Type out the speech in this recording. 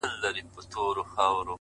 میاشته کېږي بې هویته _ بې فرهنګ یم _